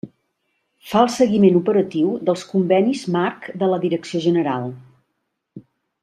Fa el seguiment operatiu dels convenis marc de la Direcció General.